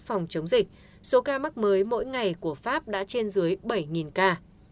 phòng chống dịch số ca mắc mới mỗi ngày của pháp đã trên dưới bảy ca